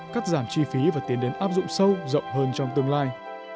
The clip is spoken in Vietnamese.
cắt giảm chi phí và tiến đến áp dụng sâu rộng hơn trong tương lai